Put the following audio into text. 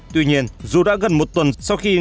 tuy nhiên dù đã gần một tuần sau khi